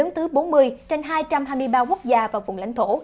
một mươi trên hai trăm hai mươi ba quốc gia và vùng lãnh thổ